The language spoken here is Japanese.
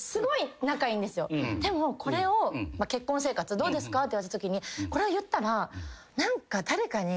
でも「結婚生活どうですか？」って言われたときにこれを言ったら。